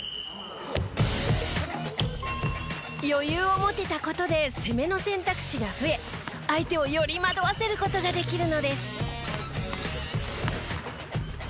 余裕を持てた事で攻めの選択肢が増え相手をより惑わせる事ができるのです。